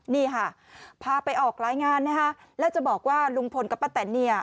นี่ค่ะพาไปออกรายงานนะคะแล้วจะบอกว่าลุงพลกับป้าแตนเนี่ย